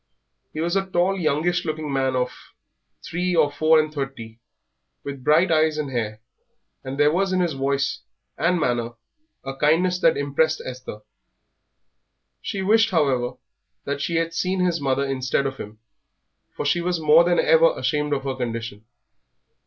He was a tall, youngish looking man of three or four and thirty, with bright eyes and hair, and there was in his voice and manner a kindness that impressed Esther. She wished, however, that she had seen his mother instead of him, for she was more than ever ashamed of her condition.